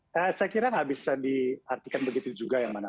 saya kira nggak bisa diartikan begitu juga yang mana